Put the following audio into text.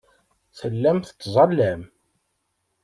Tellam tettẓallam.